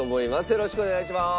よろしくお願いします。